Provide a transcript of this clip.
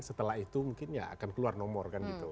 setelah itu mungkin ya akan keluar nomor kan gitu